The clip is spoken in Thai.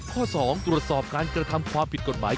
ข้อ๒ตรวจสอบการกระทำความผิดกฎหมาย